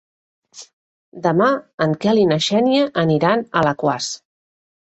Demà en Quel i na Xènia aniran a Alaquàs.